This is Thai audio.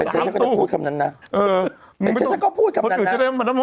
ไหนใส่ฉันก็จะพูดคำนั้นน่ะ